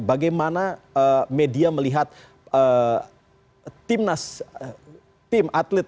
bagaimana media melihat timnas tim atlet